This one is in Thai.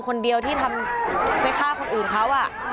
คนเดียวที่ทำไปฆ่าคนอื่นเขา